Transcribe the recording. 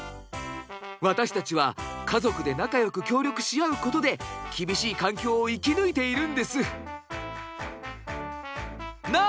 私たちは家族で仲よく協力し合うことで厳しい環境を生き抜いているんです。なあ？